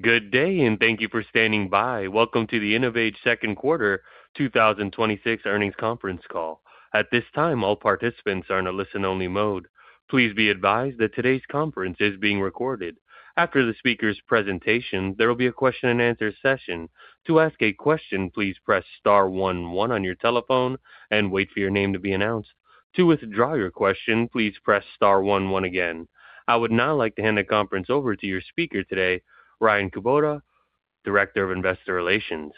Good day, and thank you for standing by. Welcome to the InnovAge Second Quarter 2026 Earnings Conference Call. At this time, all participants are in a listen-only mode. Please be advised that today's conference is being recorded. After the speaker's presentation, there will be a question-and-answer session. To ask a question, please press star one one on your telephone and wait for your name to be announced. To withdraw your question, please press star one one again. I would now like to hand the conference over to your speaker today, Ryan Kubota, Director of Investor Relations.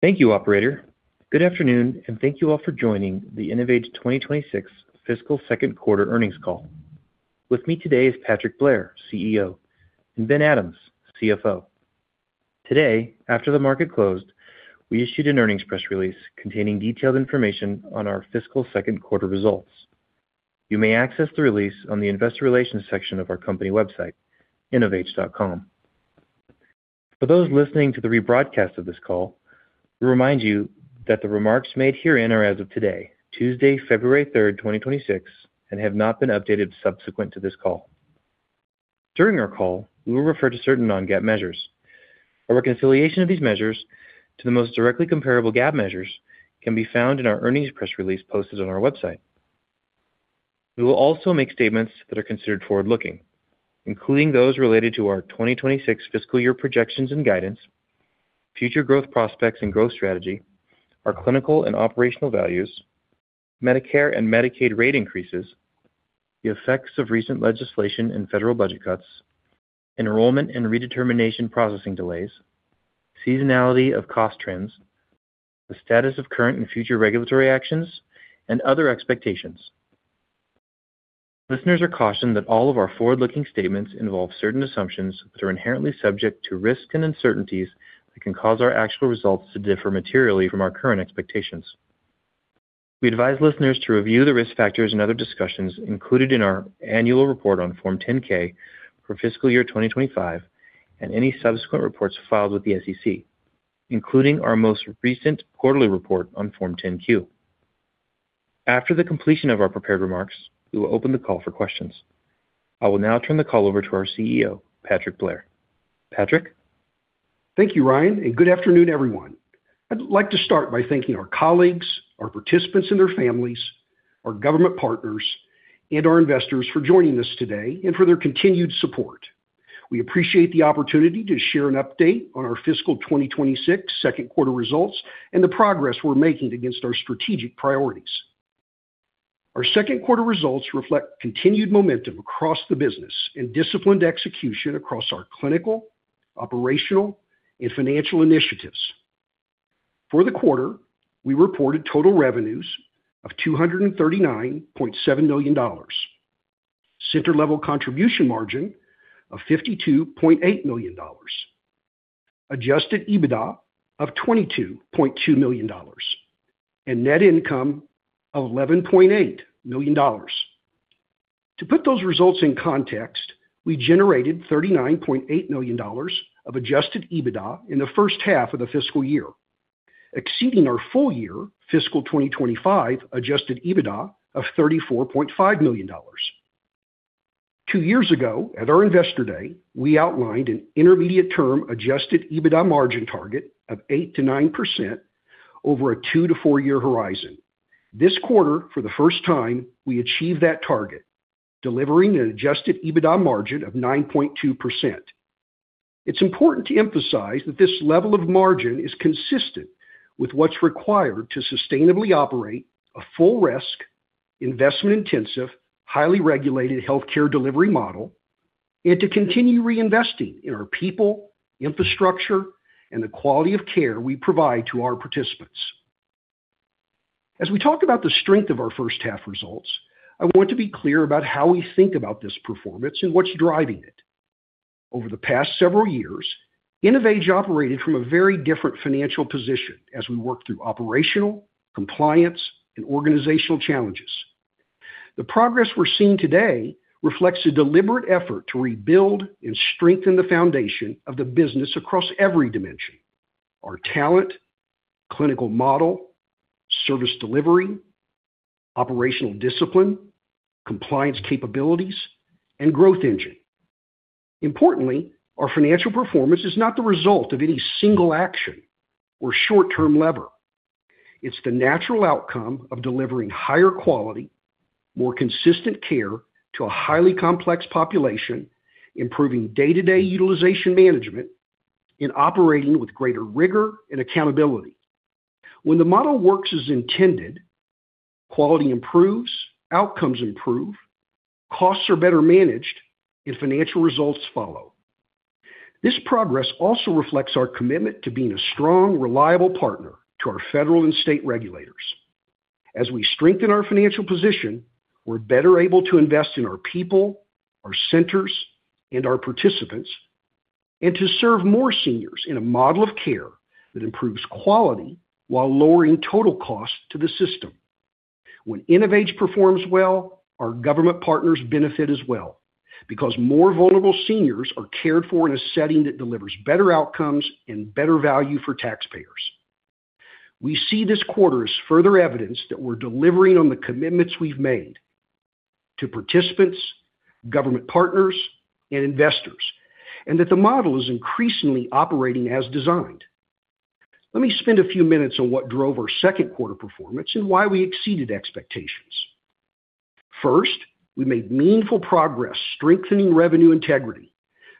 Thank you, operator. Good afternoon, and thank you all for joining the InnovAge 2026 fiscal second quarter earnings call. With me today is Patrick Blair, CEO, and Ben Adams, CFO. Today, after the market closed, we issued an earnings press release containing detailed information on our fiscal second quarter results. You may access the release on the investor relations section of our company website, innovage.com. For those listening to the rebroadcast of this call, we remind you that the remarks made herein are as of today, Tuesday, February 3rd, 2026, and have not been updated subsequent to this call. During our call, we will refer to certain non-GAAP measures. A reconciliation of these measures to the most directly comparable GAAP measures can be found in our earnings press release posted on our website. We will also make statements that are considered forward-looking, including those related to our 2026 fiscal year projections and guidance, future growth prospects and growth strategy, our clinical and operational values, Medicare and Medicaid rate increases, the effects of recent legislation and federal budget cuts, enrollment and redetermination processing delays, seasonality of cost trends, the status of current and future regulatory actions, and other expectations. Listeners are cautioned that all of our forward-looking statements involve certain assumptions that are inherently subject to risks and uncertainties that can cause our actual results to differ materially from our current expectations. We advise listeners to review the risk factors and other discussions included in our annual report on Form 10-K for fiscal year 2025 and any subsequent reports filed with the SEC, including our most recent quarterly report on Form 10-Q. After the completion of our prepared remarks, we will open the call for questions. I will now turn the call over to our CEO, Patrick Blair. Patrick? Thank you, Ryan, and good afternoon, everyone. I'd like to start by thanking our colleagues, our participants and their families, our government partners, and our investors for joining us today and for their continued support. We appreciate the opportunity to share an update on our fiscal 2026 second quarter results and the progress we're making against our strategic priorities. Our second quarter results reflect continued momentum across the business and disciplined execution across our clinical, operational, and financial initiatives. For the quarter, we reported total revenues of $239.7 million, center level contribution margin of $52.8 million, adjusted EBITDA of $22.2 million, and net income of $11.8 million. To put those results in context, we generated $39.8 million of adjusted EBITDA in the first half of the fiscal year, exceeding our full year fiscal 2025 adjusted EBITDA of $34.5 million. Two years ago, at our Investor Day, we outlined an intermediate-term adjusted EBITDA margin target of 8%-9% over a 2-4-year horizon. This quarter, for the first time, we achieved that target, delivering an adjusted EBITDA margin of 9.2%. It's important to emphasize that this level of margin is consistent with what's required to sustainably operate a full-risk, investment-intensive, highly regulated healthcare delivery model and to continue reinvesting in our people, infrastructure, and the quality of care we provide to our participants. As we talk about the strength of our first half results, I want to be clear about how we think about this performance and what's driving it. Over the past several years, InnovAge operated from a very different financial position as we worked through operational, compliance, and organizational challenges. The progress we're seeing today reflects a deliberate effort to rebuild and strengthen the foundation of the business across every dimension: our talent, clinical model, service delivery, operational discipline, compliance capabilities, and growth engine. Importantly, our financial performance is not the result of any single action or short-term lever. It's the natural outcome of delivering higher quality, more consistent care to a highly complex population, improving day-to-day utilization management, and operating with greater rigor and accountability. When the model works as intended, quality improves, outcomes improve, costs are better managed, and financial results follow. This progress also reflects our commitment to being a strong, reliable partner to our federal and state regulators. As we strengthen our financial position, we're better able to invest in our people, our centers, and our participants, and to serve more seniors in a model of care that improves quality while lowering total costs to the system. When InnovAge performs well, our government partners benefit as well, because more vulnerable seniors are cared for in a setting that delivers better outcomes and better value for taxpayers. We see this quarter as further evidence that we're delivering on the commitments we've made to participants, government partners, and investors, and that the model is increasingly operating as designed. Let me spend a few minutes on what drove our second quarter performance and why we exceeded expectations. First, we made meaningful progress strengthening revenue integrity,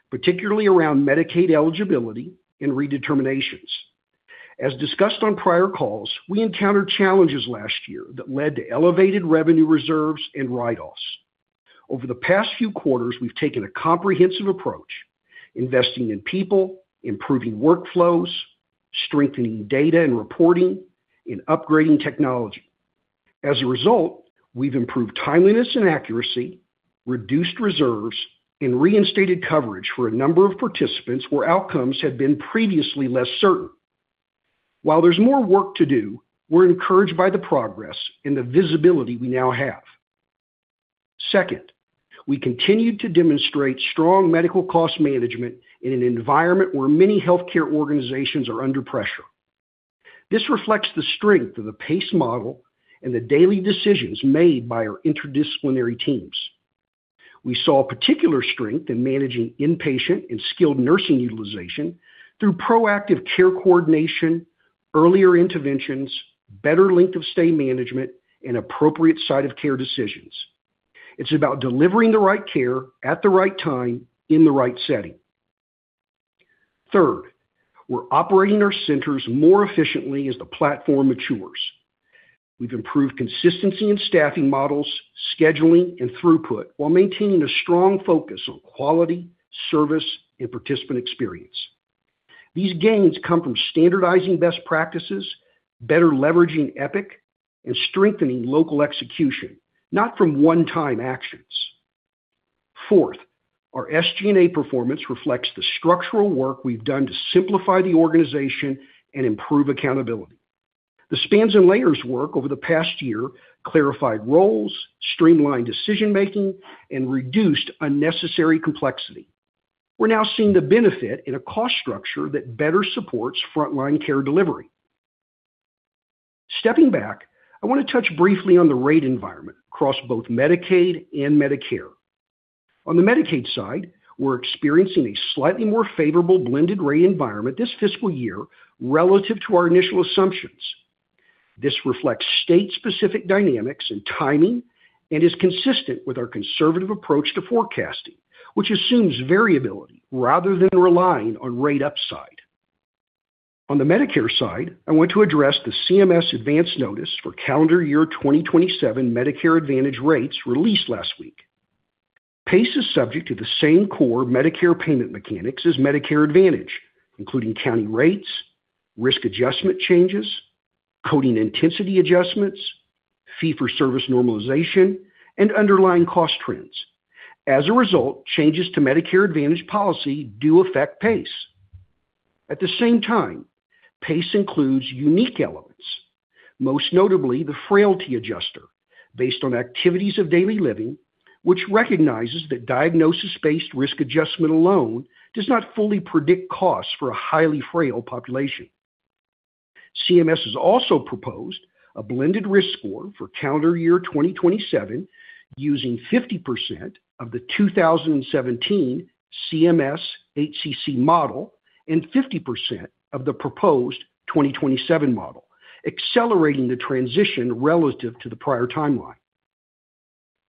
particularly around Medicaid eligibility and redeterminations. As discussed on prior calls, we encountered challenges last year that led to elevated revenue reserves and write-offs. Over the past few quarters, we've taken a comprehensive approach, investing in people, improving workflows, strengthening data and reporting, and upgrading technology. As a result, we've improved timeliness and accuracy, reduced reserves, and reinstated coverage for a number of participants where outcomes had been previously less certain. While there's more work to do, we're encouraged by the progress and the visibility we now have. Second, we continued to demonstrate strong medical cost management in an environment where many healthcare organizations are under pressure. This reflects the strength of the PACE model and the daily decisions made by our interdisciplinary teams. We saw particular strength in managing inpatient and skilled nursing utilization through proactive care coordination, earlier interventions, better length of stay management, and appropriate site of care decisions. It's about delivering the right care at the right time, in the right setting. Third, we're operating our centers more efficiently as the platform matures. We've improved consistency in staffing models, scheduling, and throughput while maintaining a strong focus on quality, service, and participant experience. These gains come from standardizing best practices, better leveraging Epic, and strengthening local execution, not from one-time actions. Fourth, our SG&A performance reflects the structural work we've done to simplify the organization and improve accountability. The spans and layers work over the past year clarified roles, streamlined decision-making, and reduced unnecessary complexity. We're now seeing the benefit in a cost structure that better supports frontline care delivery. Stepping back, I want to touch briefly on the rate environment across both Medicaid and Medicare. On the Medicaid side, we're experiencing a slightly more favorable blended rate environment this fiscal year relative to our initial assumptions. This reflects state-specific dynamics and timing and is consistent with our conservative approach to forecasting, which assumes variability rather than relying on rate upside. On the Medicare side, I want to address the CMS advance notice for calendar year 2027 Medicare Advantage rates released last week. PACE is subject to the same core Medicare payment mechanics as Medicare Advantage, including county rates, risk adjustment changes, coding intensity adjustments, fee-for-service normalization, and underlying cost trends. As a result, changes to Medicare Advantage policy do affect PACE. At the same time, PACE includes unique elements, most notably the frailty adjuster, based on activities of daily living, which recognizes that diagnosis-based risk adjustment alone does not fully predict costs for a highly frail population. CMS has also proposed a blended risk score for calendar year 2027, using 50% of the 2017 CMS-HCC model and 50% of the proposed 2027 model, accelerating the transition relative to the prior timeline.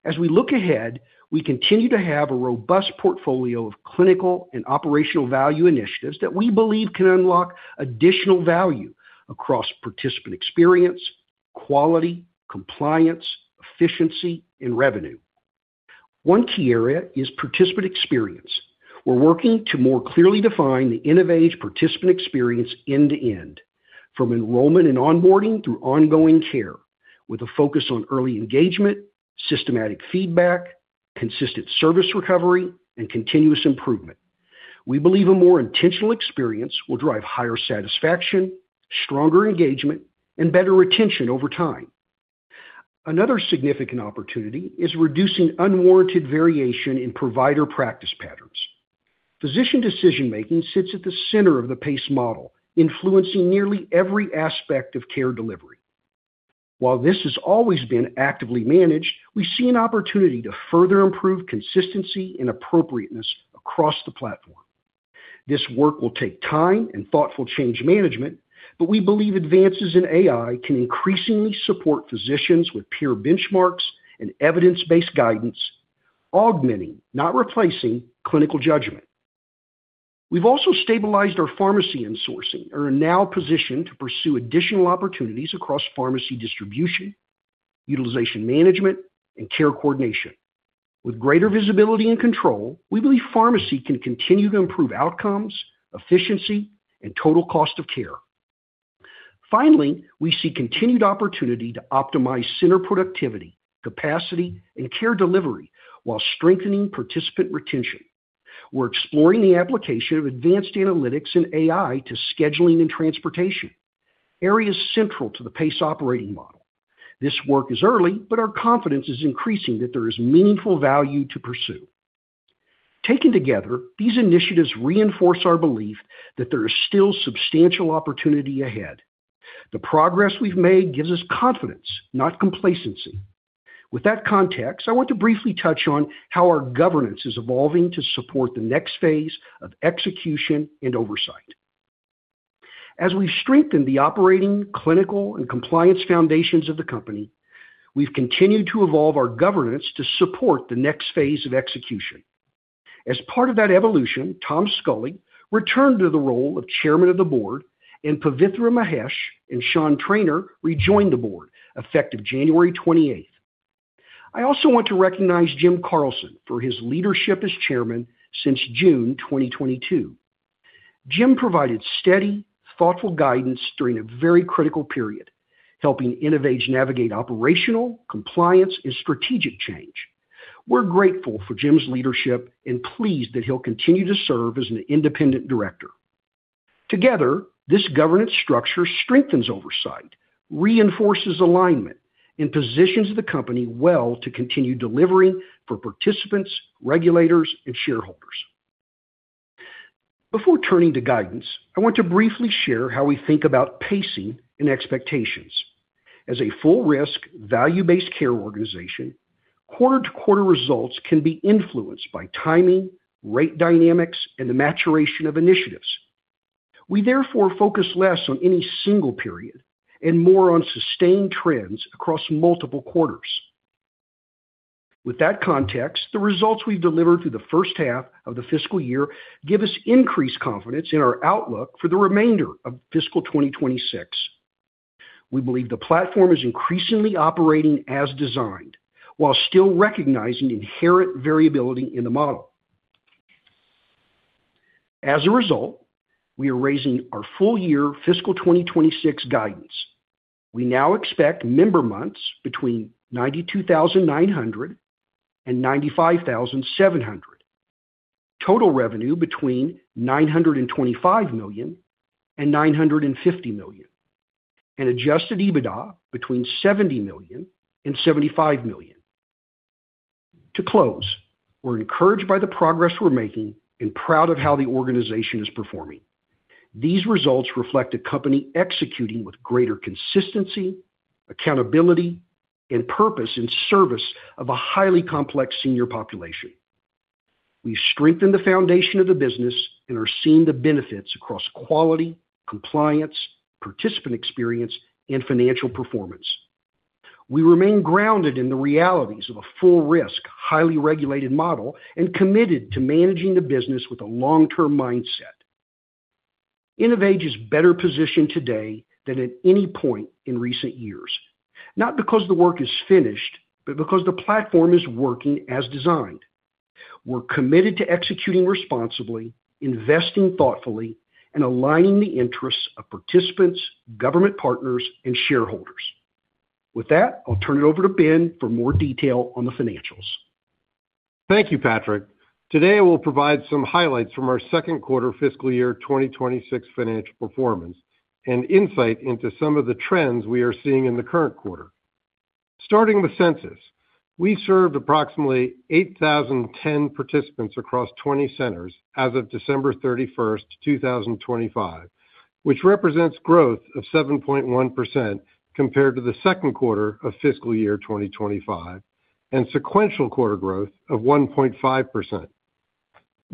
As we look ahead, we continue to have a robust portfolio of clinical and operational value initiatives that we believe can unlock additional value across participant experience, quality, compliance, efficiency, and revenue. One key area is participant experience. We're working to more clearly define the InnovAge participant experience end to end, from enrollment and onboarding through ongoing care, with a focus on early engagement, systematic feedback, consistent service recovery, and continuous improvement. We believe a more intentional experience will drive higher satisfaction, stronger engagement, and better retention over time. Another significant opportunity is reducing unwarranted variation in provider practice patterns. Physician decision-making sits at the center of the PACE model, influencing nearly every aspect of care delivery. While this has always been actively managed, we see an opportunity to further improve consistency and appropriateness across the platform. This work will take time and thoughtful change management, but we believe advances in AI can increasingly support physicians with peer benchmarks and evidence-based guidance, augmenting, not replacing, clinical judgment. We've also stabilized our pharmacy and sourcing and are now positioned to pursue additional opportunities across pharmacy distribution, utilization management, and care coordination. With greater visibility and control, we believe pharmacy can continue to improve outcomes, efficiency, and total cost of care. Finally, we see continued opportunity to optimize center productivity, capacity, and care delivery while strengthening participant retention. We're exploring the application of advanced analytics and AI to scheduling and transportation, areas central to the PACE operating model. This work is early, but our confidence is increasing that there is meaningful value to pursue. Taken together, these initiatives reinforce our belief that there is still substantial opportunity ahead. The progress we've made gives us confidence, not complacency. With that context, I want to briefly touch on how our governance is evolving to support the next phase of execution and oversight. As we've strengthened the operating, clinical, and compliance foundations of the company, we've continued to evolve our governance to support the next phase of execution. As part of that evolution, Tom Scully returned to the role of Chairman of the Board, and Pavithra Mahesh and Sean Traynor rejoined the Board, effective January 28th. I also want to recognize Jim Carlson for his leadership as Chairman since June 2022. Jim provided steady, thoughtful guidance during a very critical period, helping InnovAge navigate operational, compliance, and strategic change. We're grateful for Jim's leadership and pleased that he'll continue to serve as an independent director. Together, this governance structure strengthens oversight, reinforces alignment, and positions the company well to continue delivering for participants, regulators, and shareholders. Before turning to guidance, I want to briefly share how we think about pacing and expectations. As a full risk, value-based care organization, quarter-to-quarter results can be influenced by timing, rate dynamics, and the maturation of initiatives. We therefore focus less on any single period and more on sustained trends across multiple quarters. With that context, the results we've delivered through the first half of the fiscal year give us increased confidence in our outlook for the remainder of fiscal 2026. We believe the platform is increasingly operating as designed, while still recognizing inherent variability in the model. As a result, we are raising our full-year fiscal 2026 guidance. We now expect member months between 92,900 and 95,700, total revenue between $925 million and $950 million, and adjusted EBITDA between $70 million and $75 million. To close, we're encouraged by the progress we're making and proud of how the organization is performing. These results reflect a company executing with greater consistency, accountability, and purpose in service of a highly complex senior population. We've strengthened the foundation of the business and are seeing the benefits across quality, compliance, participant experience, and financial performance. We remain grounded in the realities of a full risk, highly regulated model, and committed to managing the business with a long-term mindset. InnovAge is better positioned today than at any point in recent years, not because the work is finished, but because the platform is working as designed. We're committed to executing responsibly, investing thoughtfully, and aligning the interests of participants, government partners, and shareholders. With that, I'll turn it over to Ben for more detail on the financials. Thank you, Patrick. Today, I will provide some highlights from our second quarter fiscal year 2026 financial performance, and insight into some of the trends we are seeing in the current quarter. Starting with census, we served approximately 8,010 participants across 20 centers as of December 31, 2025, which represents growth of 7.1% compared to the second quarter of fiscal year 2025, and sequential quarter growth of 1.5%.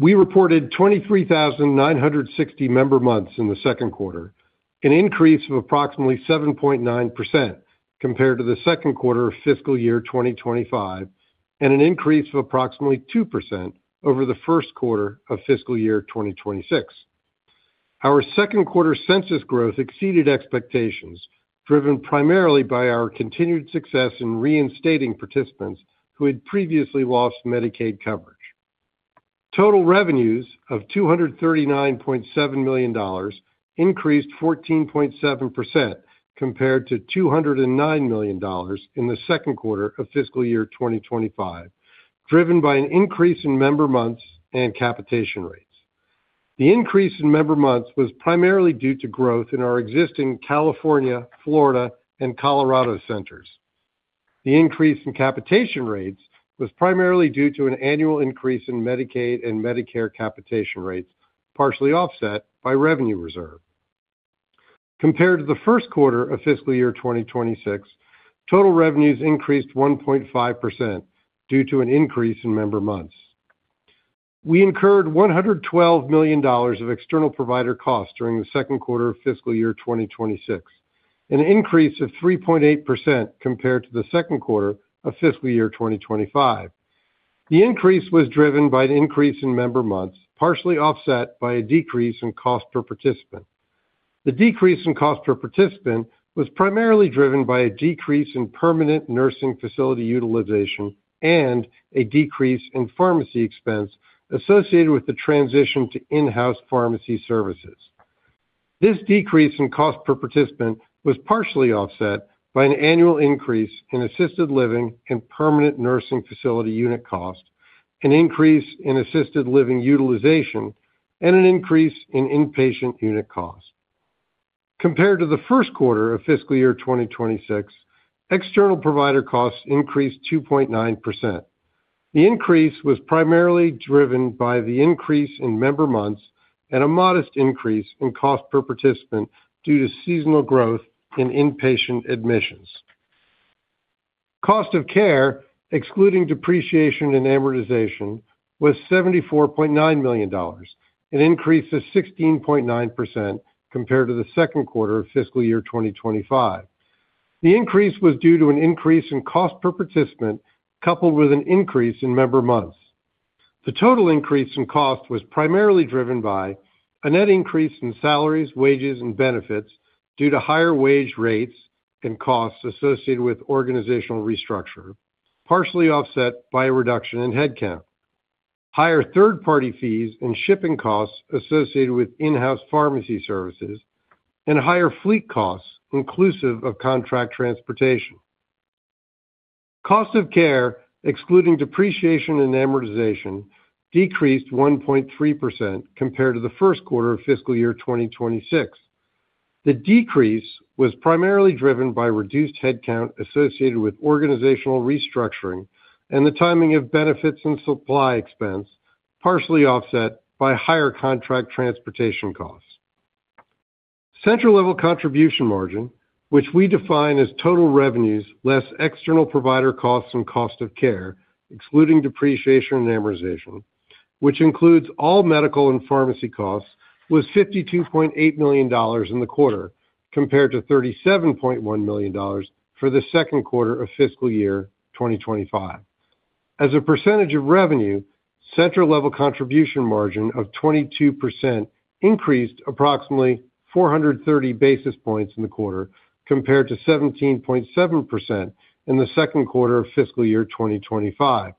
We reported 23,960 member months in the second quarter, an increase of approximately 7.9% compared to the second quarter of fiscal year 2025, and an increase of approximately 2% over the first quarter of fiscal year 2026. Our second quarter census growth exceeded expectations, driven primarily by our continued success in reinstating participants who had previously lost Medicaid coverage. Total revenues of $239.7 million increased 14.7% compared to $209 million in the second quarter of fiscal year 2025, driven by an increase in member months and capitation rates. The increase in member months was primarily due to growth in our existing California, Florida, and Colorado centers. The increase in capitation rates was primarily due to an annual increase in Medicaid and Medicare capitation rates, partially offset by revenue reserve. Compared to the first quarter of fiscal year 2026, total revenues increased 1.5% due to an increase in member months. We incurred $112 million of external provider costs during the second quarter of fiscal year 2026, an increase of 3.8% compared to the second quarter of fiscal year 2025. The increase was driven by the increase in member months, partially offset by a decrease in cost per participant. The decrease in cost per participant was primarily driven by a decrease in permanent nursing facility utilization and a decrease in pharmacy expense associated with the transition to in-house pharmacy services. This decrease in cost per participant was partially offset by an annual increase in assisted living and permanent nursing facility unit cost, an increase in assisted living utilization, and an increase in inpatient unit cost. Compared to the first quarter of fiscal year 2026, external provider costs increased 2.9%. The increase was primarily driven by the increase in member months and a modest increase in cost per participant due to seasonal growth in inpatient admissions. Cost of care, excluding depreciation and amortization, was $74.9 million, an increase of 16.9% compared to the second quarter of fiscal year 2025. The increase was due to an increase in cost per participant, coupled with an increase in member months. The total increase in cost was primarily driven by a net increase in salaries, wages, and benefits due to higher wage rates and costs associated with organizational restructure, partially offset by a reduction in headcount, higher third-party fees and shipping costs associated with in-house pharmacy services, and higher fleet costs, inclusive of contract transportation. Cost of care, excluding depreciation and amortization, decreased 1.3% compared to the first quarter of fiscal year 2026. The decrease was primarily driven by reduced headcount associated with organizational restructuring and the timing of benefits and supply expense, partially offset by higher contract transportation costs. Center-level Contribution Margin, which we define as total revenues, less external provider costs and cost of care, excluding depreciation and amortization, which includes all medical and pharmacy costs, was $52.8 million in the quarter, compared to $37.1 million for the second quarter of fiscal year 2025. As a percentage of revenue, central level Contribution Margin of 22% increased approximately 430 basis points in the quarter, compared to 17.7% in the second quarter of fiscal year 2025.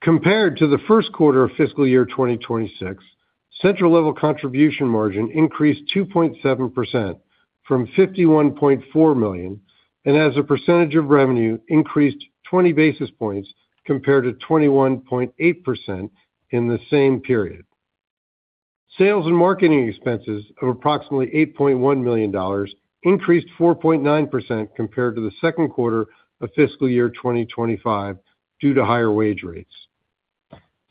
Compared to the first quarter of fiscal year 2026, central level Contribution Margin increased 2.7% from $51.4 million, and as a percentage of revenue, increased 20 basis points compared to 21.8% in the same period. Sales and marketing expenses of approximately $8.1 million increased 4.9% compared to the second quarter of fiscal year 2025, due to higher wage rates.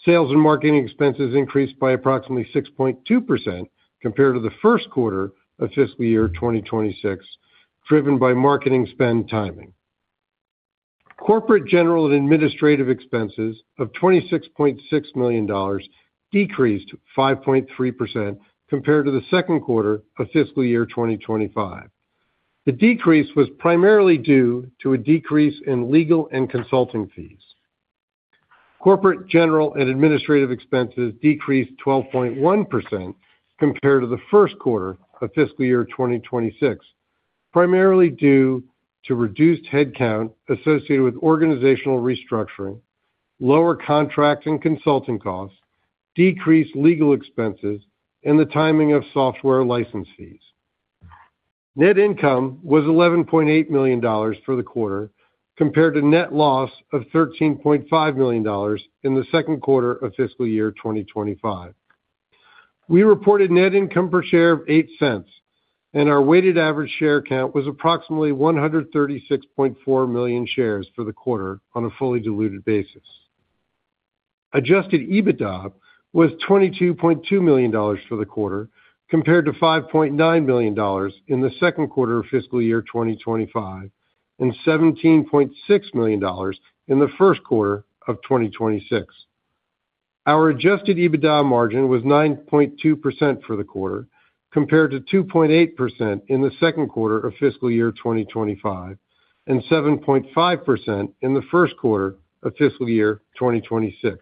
Sales and marketing expenses increased by approximately 6.2% compared to the first quarter of fiscal year 2026, driven by marketing spend timing. Corporate, general, and administrative expenses of $26.6 million decreased 5.3% compared to the second quarter of fiscal year 2025. The decrease was primarily due to a decrease in legal and consulting fees. Corporate, general, and administrative expenses decreased 12.1% compared to the first quarter of fiscal year 2026, primarily due to reduced headcount associated with organizational restructuring, lower contracts and consulting costs, decreased legal expenses, and the timing of software license fees. Net income was $11.8 million for the quarter, compared to net loss of $13.5 million in the second quarter of fiscal year 2025. We reported net income per share of $0.08, and our weighted average share count was approximately 136.4 million shares for the quarter on a fully diluted basis. Adjusted EBITDA was $22.2 million for the quarter, compared to $5.9 million in the second quarter of fiscal year 2025 and $17.6 million in the first quarter of 2026. Our adjusted EBITDA margin was 9.2% for the quarter, compared to 2.8% in the second quarter of fiscal year 2025 and 7.5% in the first quarter of fiscal year 2026.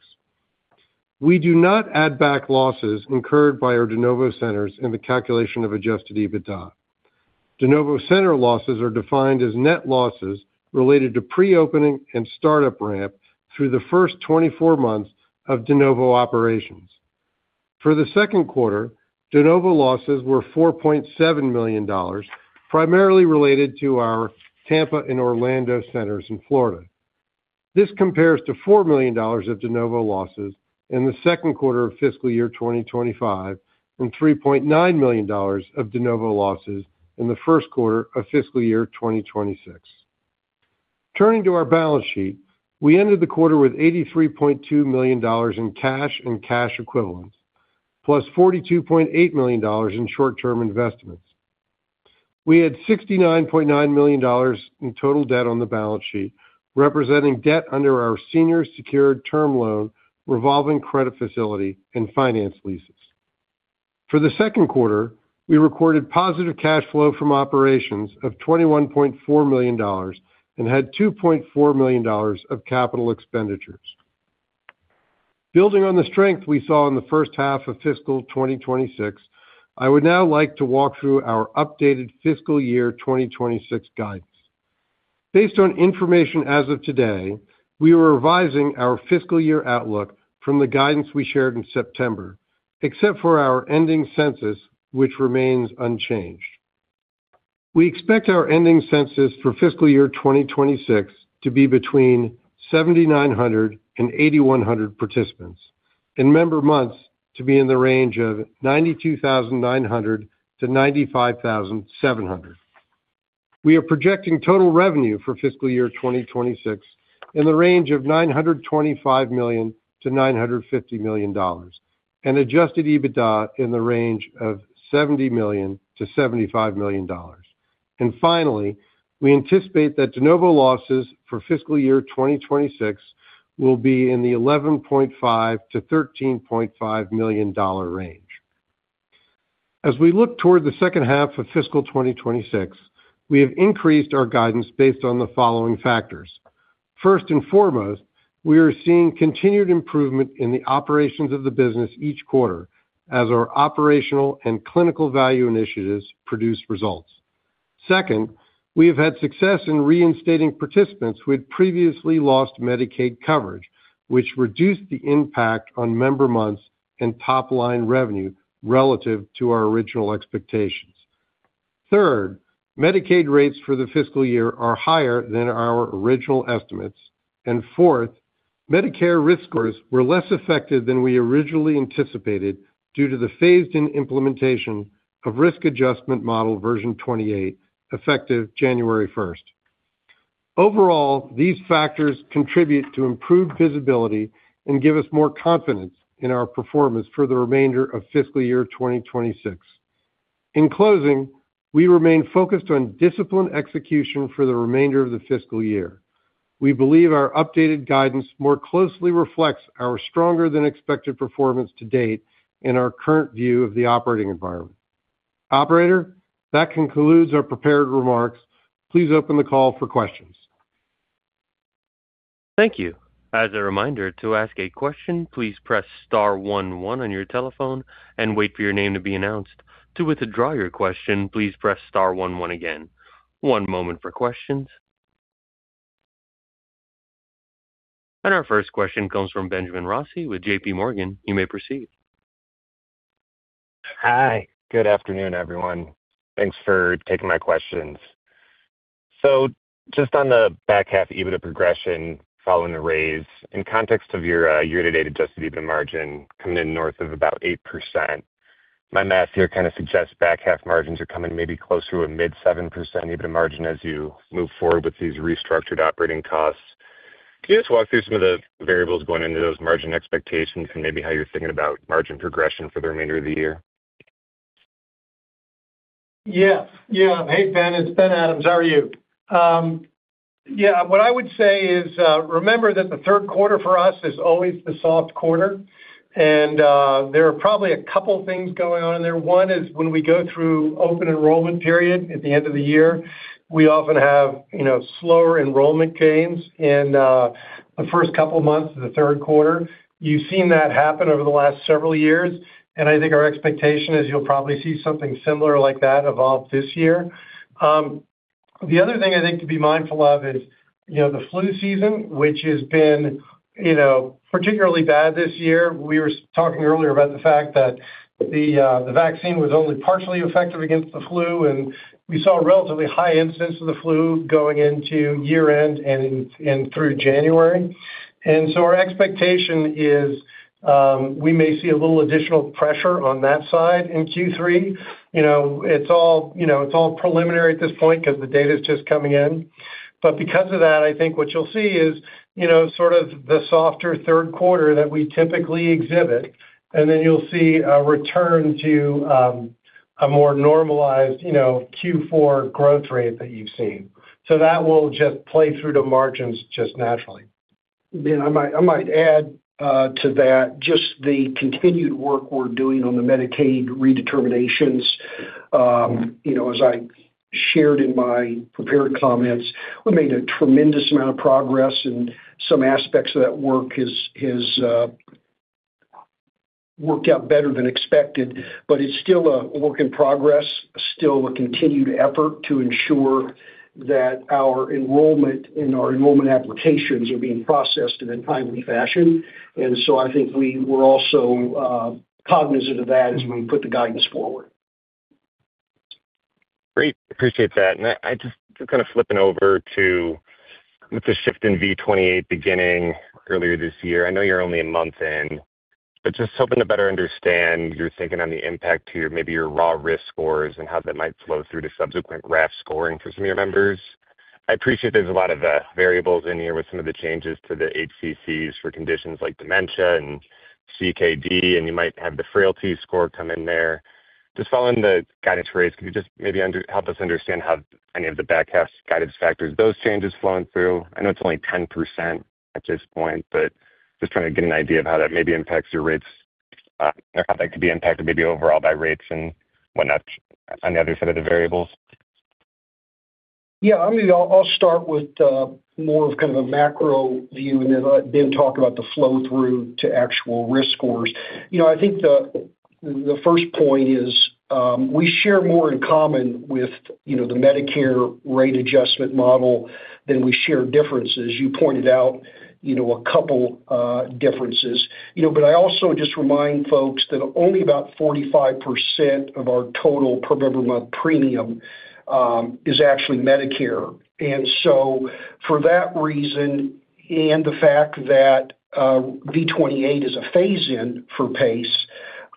We do not add back losses incurred by our de novo centers in the calculation of adjusted EBITDA. De novo center losses are defined as net losses related to pre-opening and startup ramp through the first 24 months of de novo operations. For the second quarter, de novo losses were $4.7 million, primarily related to our Tampa and Orlando centers in Florida. This compares to $4 million of de novo losses in the second quarter of fiscal year 2025 and $3.9 million of de novo losses in the first quarter of fiscal year 2026. Turning to our balance sheet, we ended the quarter with $83.2 million in cash and cash equivalents, plus $42.8 million in short-term investments. We had $69.9 million in total debt on the balance sheet, representing debt under our senior secured term loan, revolving credit facility, and finance leases. For the second quarter, we recorded positive cash flow from operations of $21.4 million and had $2.4 million of capital expenditures. Building on the strength we saw in the first half of fiscal 2026, I would now like to walk through our updated fiscal year 2026 guidance. Based on information as of today, we are revising our fiscal year outlook from the guidance we shared in September, except for our ending census, which remains unchanged.... We expect our ending census for fiscal year 2026 to be between 7,900 and 8,100 participants, and member months to be in the range of 92,900 to 95,700. We are projecting total revenue for fiscal year 2026 in the range of $925 million-$950 million, and adjusted EBITDA in the range of $70 million-$75 million. And finally, we anticipate that de novo losses for fiscal year 2026 will be in the $11.5 million-$13.5 million range. As we look toward the second half of fiscal 2026, we have increased our guidance based on the following factors: First and foremost, we are seeing continued improvement in the operations of the business each quarter as our operational and clinical value initiatives produce results. Second, we have had success in reinstating participants who had previously lost Medicaid coverage, which reduced the impact on member months and top-line revenue relative to our original expectations. Third, Medicaid rates for the fiscal year are higher than our original estimates. And fourth, Medicare risk scores were less effective than we originally anticipated due to the phased-in implementation of risk adjustment model version 28, effective January 1st. Overall, these factors contribute to improved visibility and give us more confidence in our performance for the remainder of fiscal year 2026. In closing, we remain focused on disciplined execution for the remainder of the fiscal year. We believe our updated guidance more closely reflects our stronger-than-expected performance to date and our current view of the operating environment. Operator, that concludes our prepared remarks. Please open the call for questions. Thank you. As a reminder, to ask a question, please press star one one on your telephone and wait for your name to be announced. To withdraw your question, please press star one one again. One moment for questions. Our first question comes from Benjamin Rossi with JPMorgan. You may proceed. Hi. Good afternoon, everyone. Thanks for taking my questions. So just on the back half EBITDA progression, following the raise, in context of your year-to-date adjusted EBITDA margin coming in north of about 8%, my math here kind of suggests back half margins are coming maybe closer to a mid-7% EBITDA margin as you move forward with these restructured operating costs. Can you just walk through some of the variables going into those margin expectations and maybe how you're thinking about margin progression for the remainder of the year? Yeah. Yeah. Hey, Ben, it's Ben Adams. How are you? Yeah, what I would say is, remember that the third quarter for us is always the soft quarter, and there are probably a couple things going on in there. One is when we go through open enrollment period at the end of the year, we often have, you know, slower enrollment gains in the first couple of months of the third quarter. You've seen that happen over the last several years, and I think our expectation is you'll probably see something similar like that evolve this year. The other thing I think to be mindful of is, you know, the flu season, which has been, you know, particularly bad this year. We were talking earlier about the fact that the vaccine was only partially effective against the flu, and we saw a relatively high incidence of the flu going into year-end and through January. And so our expectation is, we may see a little additional pressure on that side in Q3. You know, it's all preliminary at this point because the data's just coming in. But because of that, I think what you'll see is, you know, sort of the softer third quarter that we typically exhibit, and then you'll see a return to a more normalized, you know, Q4 growth rate that you've seen. So that will just play through the margins just naturally. Ben, I might add to that, just the continued work we're doing on the Medicaid redeterminations. You know, as I shared in my prepared comments, we made a tremendous amount of progress, and some aspects of that work has worked out better than expected. But it's still a work in progress, still a continued effort to ensure that our enrollment and our enrollment applications are being processed in a timely fashion. And so I think we're also cognizant of that as we put the guidance forward. Great. Appreciate that. And I, I just kind of flipping over to with the shift in V28 beginning earlier this year, I know you're only a month in, but just hoping to better understand your thinking on the impact to your, maybe your raw risk scores and how that might flow through to subsequent RAF scoring for some of your members. I appreciate there's a lot of, variables in here with some of the changes to the HCCs for conditions like dementia and CKD, and you might have the frailty score come in there. Just following the guidance rates, can you just maybe help us understand how any of the back half guidance factors, those changes flowing through? I know it's only 10% at this point, but just trying to get an idea of how that maybe impacts your rates, or how that could be impacted maybe overall by rates and whatnot on the other side of the variables. Yeah, I mean, I'll start with more of kind of a macro view, and then let Ben talk about the flow-through to actual risk scores. You know, I think the first point is, we share more in common with, you know, the Medicare rate adjustment model than we share differences. You pointed out, you know, a couple differences. You know, but I also just remind folks that only about 45% of our total per member month premium is actually Medicare. And so for that reason and the fact that V28 is a phase-in for PACE,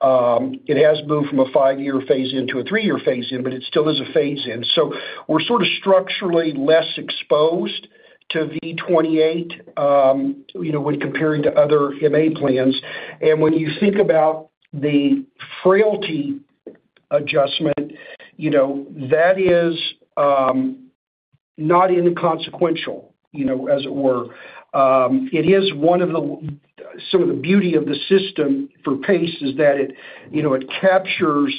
it has moved from a five-year phase-in to a three-year phase-in, but it still is a phase-in. So we're sort of structurally less exposed to V28, you know, when comparing to other MA plans. When you think about the frailty adjustment, you know, that is not inconsequential, you know, as it were. It is one of the some of the beauty of the system for PACE is that it, you know, it captures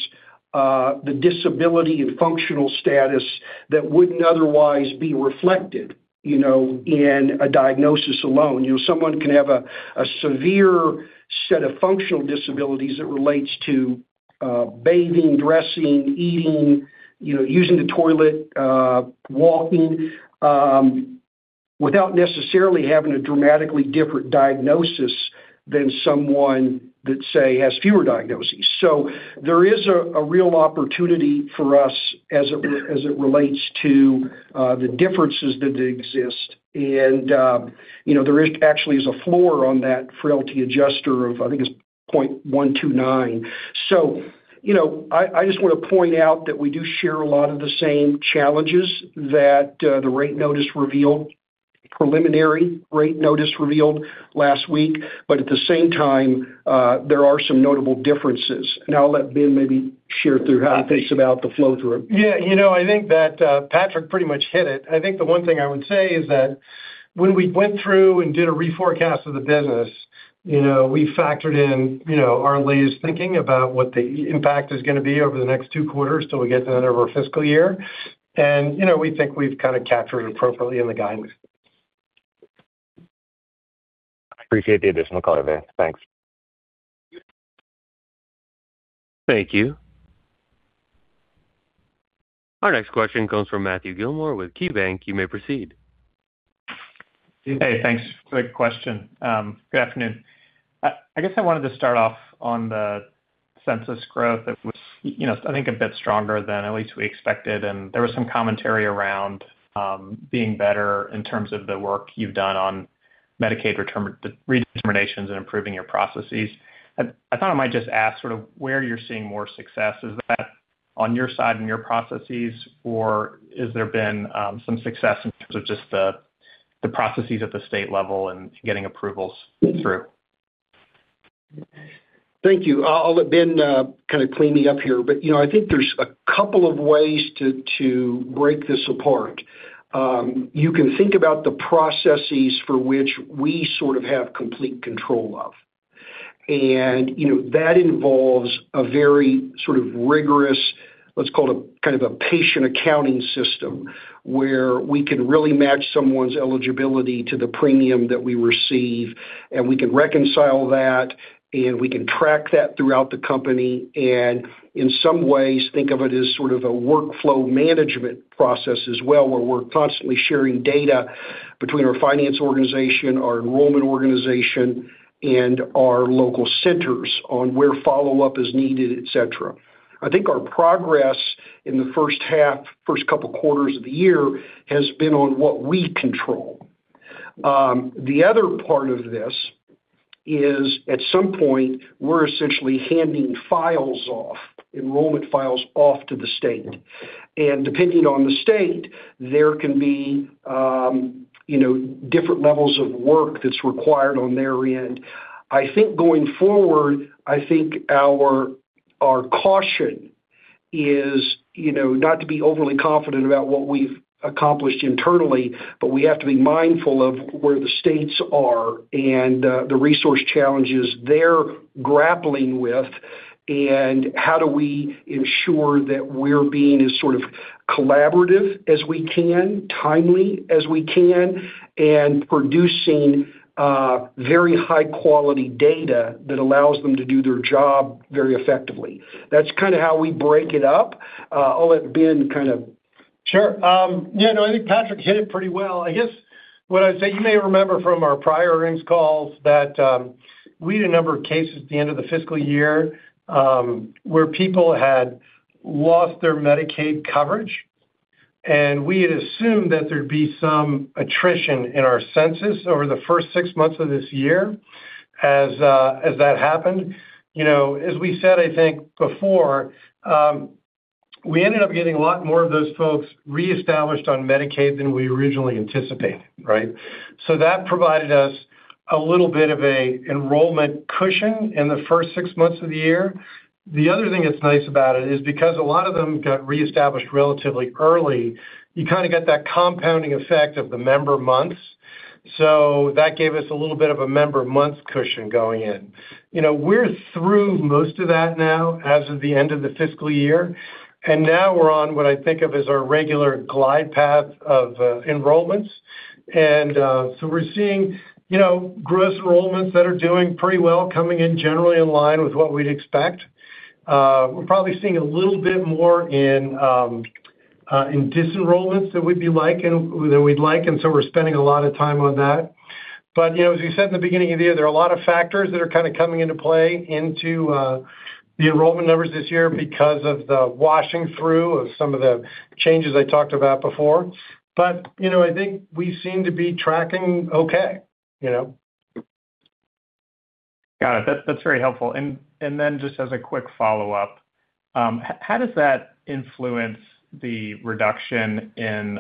the disability and functional status that wouldn't otherwise be reflected, you know, in a diagnosis alone. You know, someone can have a severe set of functional disabilities that relates to bathing, dressing, eating, you know, using the toilet, walking, without necessarily having a dramatically different diagnosis than someone that, say, has fewer diagnoses. So there is a real opportunity for us as it relates to the differences that exist. And, you know, there actually is a floor on that Frailty Adjuster of, I think it's 0.129. So, you know, I just want to point out that we do share a lot of the same challenges that the preliminary rate notice revealed last week, but at the same time, there are some notable differences. And I'll let Ben maybe share through how he thinks about the flow through. Yeah, you know, I think that Patrick pretty much hit it. I think the one thing I would say is that when we went through and did a reforecast of the business, you know, we factored in, you know, our latest thinking about what the impact is gonna be over the next two quarters till we get to the end of our fiscal year. And, you know, we think we've kind of captured it appropriately in the guidance. Appreciate the additional color, Ben. Thanks. Thank you. Our next question comes from Matthew Gilmore with KeyBanc. You may proceed. Hey, thanks for the question. Good afternoon. I guess I wanted to start off on the census growth. It was, you know, I think a bit stronger than at least we expected, and there was some commentary around being better in terms of the work you've done on Medicaid redeterminations and improving your processes. I thought I might just ask sort of where you're seeing more success. Is that on your side and your processes, or has there been some success in terms of just the processes at the state level and getting approvals through? Thank you. I'll let Ben kind of clean me up here, but you know, I think there's a couple of ways to break this apart. You can think about the processes for which we sort of have complete control of. You know, that involves a very sort of rigorous, let's call it, a kind of a patient accounting system, where we can really match someone's eligibility to the premium that we receive, and we can reconcile that, and we can track that throughout the company, and in some ways, think of it as sort of a workflow management process as well, where we're constantly sharing data between our finance organization, our enrollment organization, and our local centers on where follow-up is needed, et cetera. I think our progress in the first half, first couple quarters of the year has been on what we control. The other part of this is, at some point, we're essentially handing files off, enrollment files off to the state. And depending on the state, there can be, you know, different levels of work that's required on their end. I think going forward, I think our, our caution is, you know, not to be overly confident about what we've accomplished internally, but we have to be mindful of where the states are and, the resource challenges they're grappling with, and how do we ensure that we're being as sort of collaborative as we can, timely as we can, and producing, very high-quality data that allows them to do their job very effectively. That's kind of how we break it up. I'll let Ben kind of. Sure. Yeah, no, I think Patrick hit it pretty well. I guess what I'd say, you may remember from our prior earnings calls that, we had a number of cases at the end of the fiscal year, where people had lost their Medicaid coverage, and we had assumed that there'd be some attrition in our census over the first six months of this year as that happened. You know, as we said, I think before, we ended up getting a lot more of those folks reestablished on Medicaid than we originally anticipated, right? So that provided us a little bit of a enrollment cushion in the first six months of the year. The other thing that's nice about it is because a lot of them got reestablished relatively early, you kind of get that compounding effect of the member months. So that gave us a little bit of a member months cushion going in. You know, we're through most of that now as of the end of the fiscal year, and now we're on what I think of as our regular glide path of, enrollments. And, so we're seeing, you know, gross enrollments that are doing pretty well, coming in generally in line with what we'd expect. We're probably seeing a little bit more in, in disenrollments than we'd like, and so we're spending a lot of time on that. But, you know, as you said in the beginning of the year, there are a lot of factors that are kind of coming into play into, the enrollment numbers this year because of the washing through of some of the changes I talked about before. you know, I think we seem to be tracking okay, you know? Got it. That's, that's very helpful. And, and then just as a quick follow-up, how does that influence the reduction in,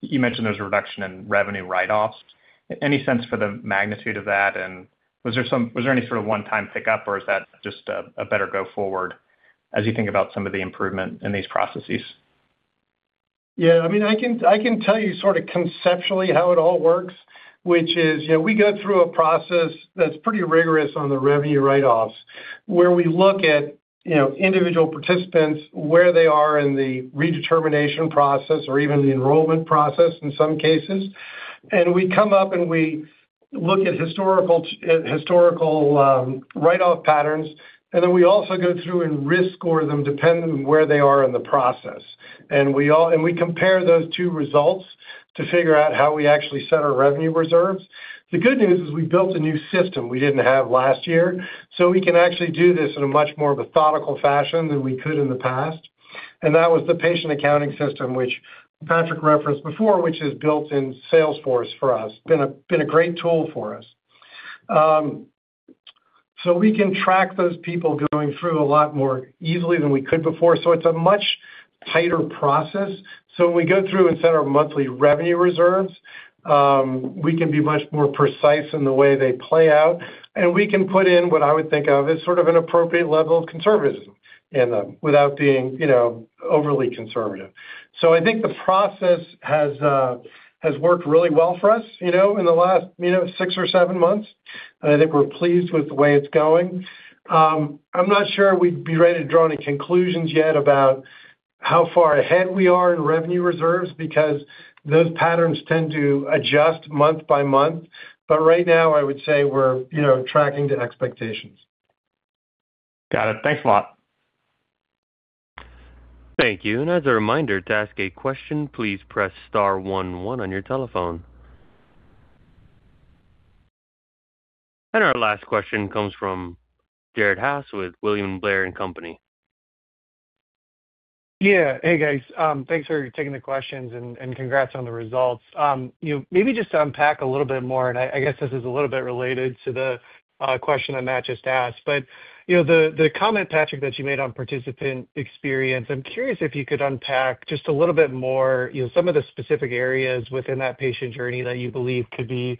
you mentioned there's a reduction in revenue write-offs. Any sense for the magnitude of that? And was there-- was there any sort of one-time pickup, or is that just a, a better go forward as you think about some of the improvement in these processes? Yeah, I mean, I can, I can tell you sort of conceptually how it all works, which is, you know, we go through a process that's pretty rigorous on the revenue write-offs, where we look at, you know, individual participants, where they are in the redetermination process or even the enrollment process in some cases. And we come up, and we look at historical write-off patterns, and then we also go through and risk score them depending on where they are in the process. And we compare those two results to figure out how we actually set our revenue reserves. The good news is we built a new system we didn't have last year, so we can actually do this in a much more methodical fashion than we could in the past. That was the patient accounting system, which Patrick referenced before, which is built in Salesforce for us. Been a great tool for us. So we can track those people going through a lot more easily than we could before, so it's a much tighter process. So when we go through and set our monthly revenue reserves, we can be much more precise in the way they play out, and we can put in what I would think of as sort of an appropriate level of conservatism in them without being, you know, overly conservative. So I think the process has worked really well for us, you know, in the last, you know, six or seven months. I think we're pleased with the way it's going. I'm not sure we'd be ready to draw any conclusions yet about how far ahead we are in revenue reserves, because those patterns tend to adjust month by month. But right now, I would say we're, you know, tracking to expectations. Got it. Thanks a lot. Thank you. As a reminder, to ask a question, please press star one one on your telephone. Our last question comes from Jared Haase with William Blair & Company. Yeah. Hey, guys. Thanks for taking the questions and congrats on the results. You know, maybe just to unpack a little bit more, and I guess this is a little bit related to the question that Matt just asked. But you know, the comment, Patrick, that you made on participant experience, I'm curious if you could unpack just a little bit more, you know, some of the specific areas within that patient journey that you believe could be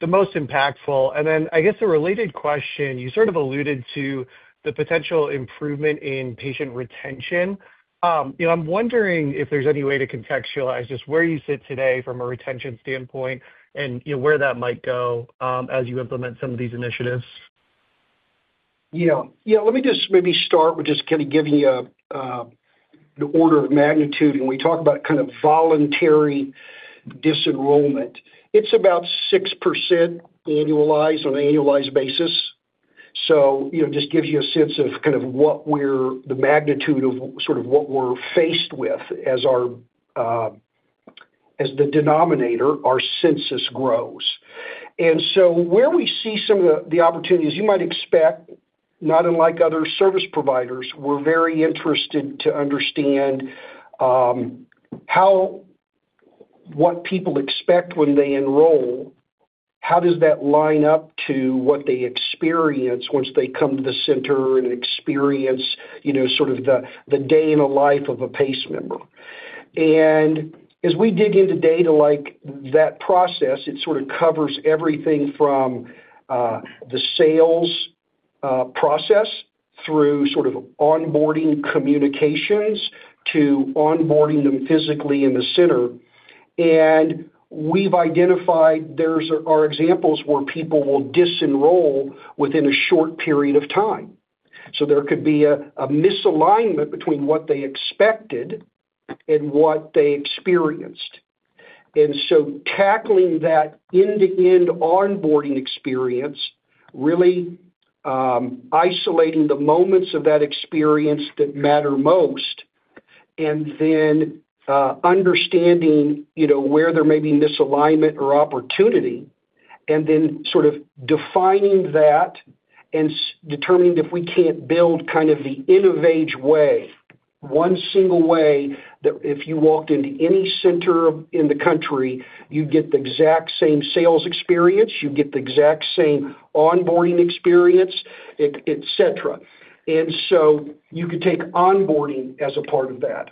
the most impactful. And then, I guess, a related question, you sort of alluded to the potential improvement in patient retention. You know, I'm wondering if there's any way to contextualize just where you sit today from a retention standpoint and, you know, where that might go, as you implement some of these initiatives. Yeah. Yeah, let me just maybe start with just kind of giving you a the order of magnitude. When we talk about kind of voluntary disenrollment, it's about 6% annualized on an annualized basis. So, you know, just gives you a sense of kind of what we're the magnitude of sort of what we're faced with as our as the denominator, our census grows. And so where we see some of the opportunities, you might expect, not unlike other service providers, we're very interested to understand how what people expect when they enroll, how does that line up to what they experience once they come to the center and experience, you know, sort of the day in a life of a PACE member? As we dig into data like that process, it sort of covers everything from the sales process through sort of onboarding communications to onboarding them physically in the center. We've identified there are examples where people will disenroll within a short period of time. So there could be a misalignment between what they expected and what they experienced. So tackling that end-to-end onboarding experience, really isolating the moments of that experience that matter most, and then understanding, you know, where there may be misalignment or opportunity, and then sort of defining that and determining if we can't build kind of the InnovAge way, one single way that if you walked into any center in the country, you'd get the exact same sales experience, you'd get the exact same onboarding experience, et cetera. And so you could take onboarding as a part of that.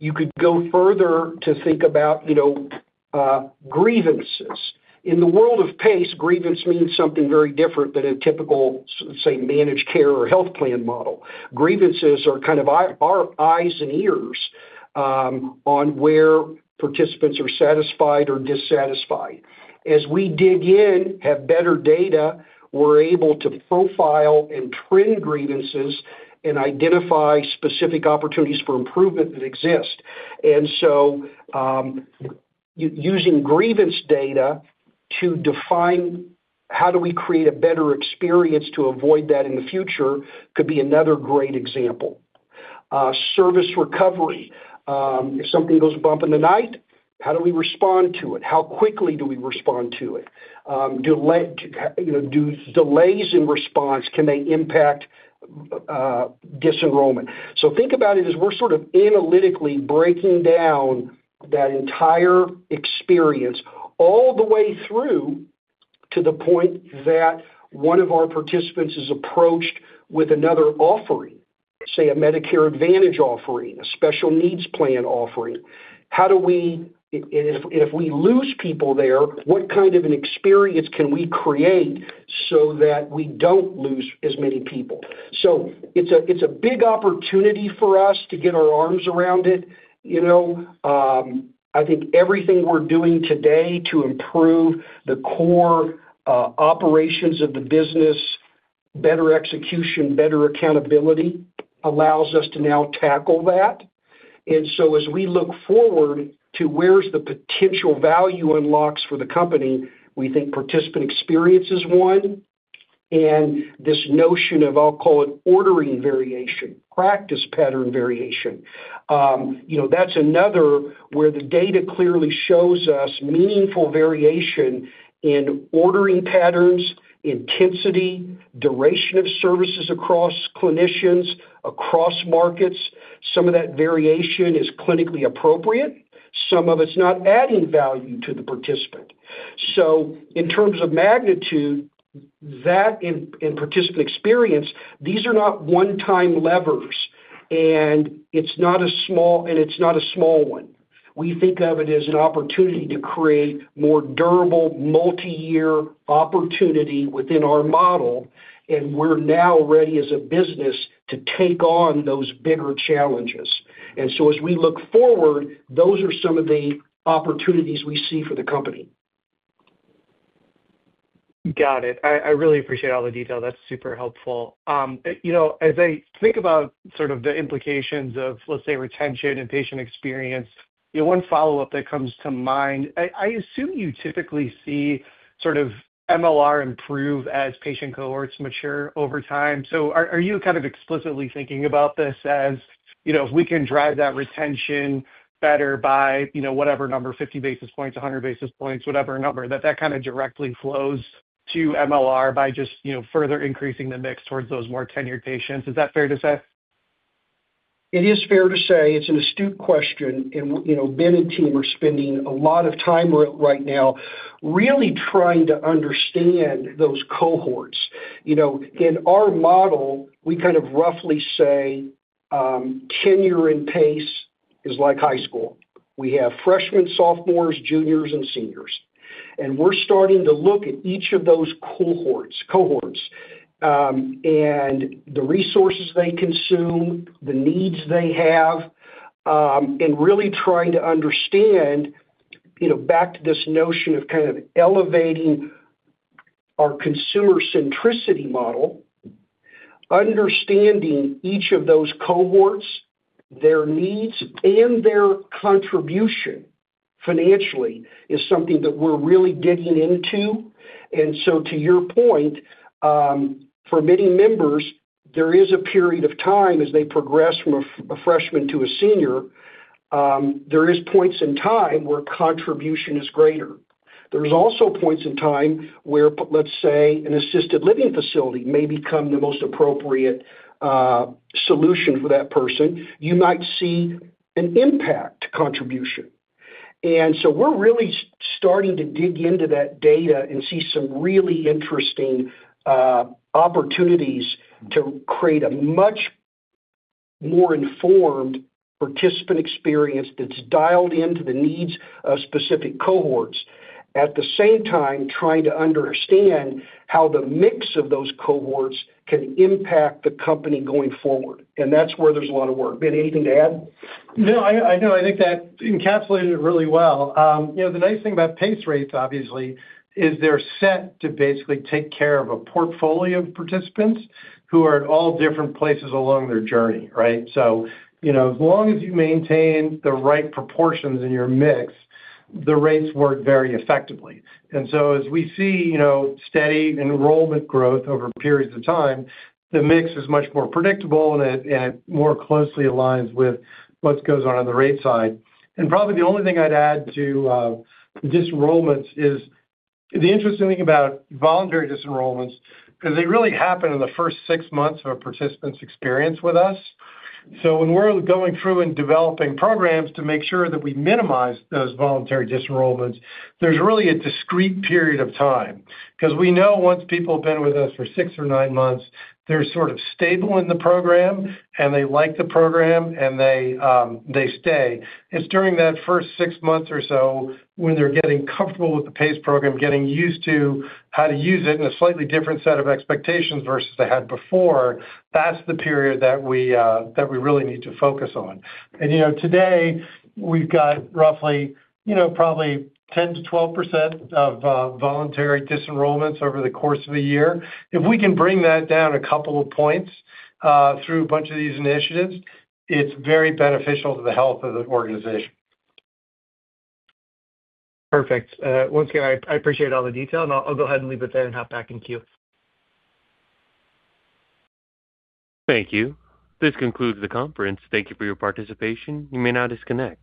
You could go further to think about, you know, grievances. In the world of PACE, grievance means something very different than a typical, say, managed care or health plan model. Grievances are kind of our eyes and ears on where participants are satisfied or dissatisfied. As we dig in, have better data, we're able to profile and trend grievances and identify specific opportunities for improvement that exist. And so, using grievance data to define how do we create a better experience to avoid that in the future could be another great example. Service recovery. If something goes bump in the night, how do we respond to it? How quickly do we respond to it? Delay, you know, do delays in response, can they impact disenrollment. So think about it as we're sort of analytically breaking down that entire experience all the way through to the point that one of our participants is approached with another offering, say, a Medicare Advantage offering, a Special Needs Plan offering. How do we—if, if we lose people there, what kind of an experience can we create so that we don't lose as many people? So it's a big opportunity for us to get our arms around it, you know. I think everything we're doing today to improve the core operations of the business, better execution, better accountability, allows us to now tackle that. And so as we look forward to where's the potential value unlocks for the company, we think participant experience is one, and this notion of, I'll call it, ordering variation, practice pattern variation. You know, that's another where the data clearly shows us meaningful variation in ordering patterns, intensity, duration of services across clinicians, across markets. Some of that variation is clinically appropriate. Some of it's not adding value to the participant. So in terms of magnitude, that and participant experience, these are not one-time levers, and it's not a small one. We think of it as an opportunity to create more durable, multi-year opportunity within our model, and we're now ready as a business to take on those bigger challenges. So as we look forward, those are some of the opportunities we see for the company. Got it. I really appreciate all the detail. That's super helpful. You know, as I think about sort of the implications of, let's say, retention and patient experience, you know, one follow-up that comes to mind, I assume you typically see sort of MLR improve as patient cohorts mature over time. So are you kind of explicitly thinking about this as, you know, if we can drive that retention better by, you know, whatever number, 50 basis points, 100 basis points, whatever number, that that kinda directly flows to MLR by just, you know, further increasing the mix towards those more tenured patients? Is that fair to say? It is fair to say. It's an astute question, and, you know, Ben and team are spending a lot of time right now really trying to understand those cohorts. You know, in our model, we kind of roughly say, tenure in PACE is like high school. We have freshmen, sophomores, juniors, and seniors, and we're starting to look at each of those cohorts, and the resources they consume, the needs they have, and really trying to understand, you know, back to this notion of kind of elevating our consumer centricity model, understanding each of those cohorts, their needs and their contribution financially, is something that we're really digging into. And so to your point, for many members, there is a period of time as they progress from a freshman to a senior, there is points in time where contribution is greater. There's also points in time where let's say, an assisted living facility may become the most appropriate solution for that person. You might see an impact contribution. And so we're really starting to dig into that data and see some really interesting opportunities to create a much more informed participant experience that's dialed into the needs of specific cohorts. At the same time, trying to understand how the mix of those cohorts can impact the company going forward, and that's where there's a lot of work. Ben, anything to add? No, I think that encapsulated it really well. You know, the nice thing about PACE rates, obviously, is they're set to basically take care of a portfolio of participants who are at all different places along their journey, right? So, you know, as long as you maintain the right proportions in your mix, the rates work very effectively. And so as we see, you know, steady enrollment growth over periods of time, the mix is much more predictable, and it, and it more closely aligns with what goes on on the rate side. And probably the only thing I'd add to disenrollments is, the interesting thing about voluntary disenrollments, 'cause they really happen in the first six months of a participant's experience with us. So when we're going through and developing programs to make sure that we minimize those voluntary disenrollments, there's really a discrete period of time, 'cause we know once people have been with us for six or nine months, they're sort of stable in the program, and they like the program, and they, they stay. It's during that first six months or so, when they're getting comfortable with the PACE program, getting used to how to use it in a slightly different set of expectations versus they had before, that's the period that we, that we really need to focus on. And, you know, today, we've got roughly, you know, probably 10%-12% of voluntary disenrollments over the course of the year. If we can bring that down a couple of points, through a bunch of these initiatives, it's very beneficial to the health of the organization. Perfect. Once again, I appreciate all the detail, and I'll go ahead and leave it there and hop back in queue. Thank you. This concludes the conference. Thank you for your participation. You may now disconnect.